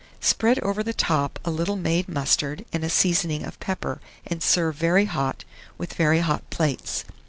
Spread over the top a little made mustard and a seasoning of pepper, and serve very hot, with very hot plates.